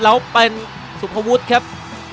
แล้วเป็นสุภวุฒิครับ